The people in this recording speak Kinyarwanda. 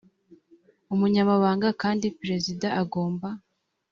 umunyamabanga kandi perezida agomba